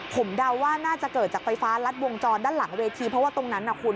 ผมเดาว่าน่าจะเกิดจากไฟฟ้ารัดวงจรด้านหลังเวทีเพราะว่าตรงนั้นน่ะคุณ